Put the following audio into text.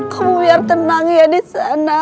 kamu biar tenang ya disana